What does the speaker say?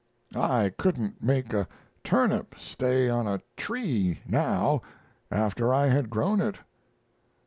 I couldn't make a turnip stay on a tree now after I had grown it.